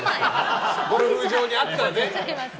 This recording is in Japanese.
ゴルフ場にあったらね。